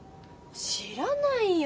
知らないよ